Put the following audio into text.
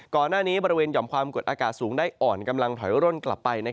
ก่อนหน้านี้บริเวณหย่อมความกดอากาศสูงได้อ่อนกำลังถอยร่นกลับไป